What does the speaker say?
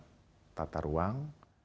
pengamat tata ruang